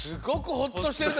ほっとしてるんだ！